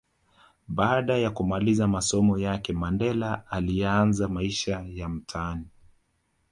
Baada ya kumaliza masomo yake Mandela aliyaanza maisha ya mtaani